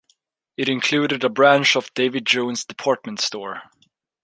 It included a branch of the David Jones department store.